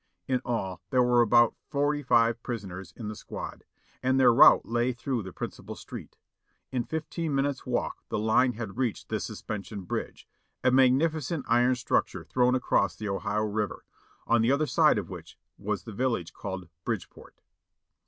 In all, there were about forty five prisoners in the squad, and their route lay through the principal street. In fifteen minutes' walk the line had reached the suspension bridge, a magnificent iron structure thrown across the Ohio River, on the other side of which was the village called Bridgeport.